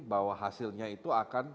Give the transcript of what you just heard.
bahwa hasilnya itu akan